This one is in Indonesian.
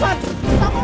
wan hasan kita mau